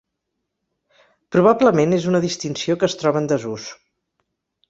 Probablement és una distinció que es troba en desús.